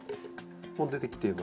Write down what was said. もう出てきていますよね。